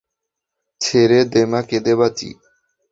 ছেড়ে দেমা কেঁদে বাঁচি।